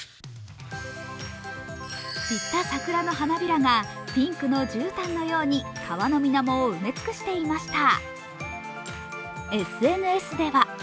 散った桜の花びらがピンクのじゅうたんのように川の水面を埋め尽くしていました。